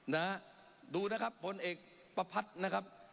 นะดูนะครับพลเอกประพัดนะครับ